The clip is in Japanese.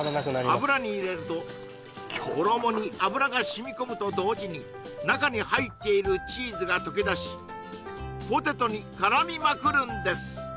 油に入れると衣に油が染み込むと同時に中に入っているチーズが溶け出しポテトに絡みまくるんです